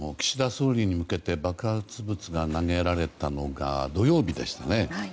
総理に向けて爆発物が投げられたのが土曜日でしたね。